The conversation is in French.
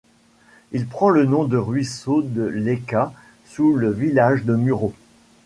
Il prend le nom de ruisseau de Leca sous le village de Muro.